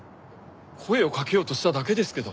声をかけようとしただけですけど。